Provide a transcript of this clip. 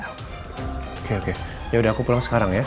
oke oke ya udah aku pulang sekarang